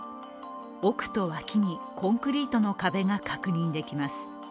奥と脇にコンクリートの壁が確認できます。